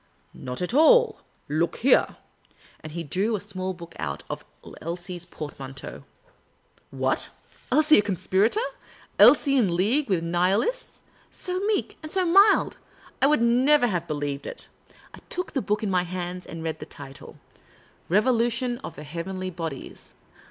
" Not at all ; look here." And he drew a .small book out of Elsie's portmanteau. The Urbane Old Gentleman 153 What ? Elsie a conspirator ? Elsie in league with Nihi lists ? So mild and so meek ! I could never have believed it. I took the book in my hands and read the title, '' Revo lution of the Heavenly Bodies."